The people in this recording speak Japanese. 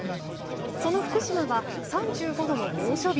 その福島は３５度以上の猛暑日。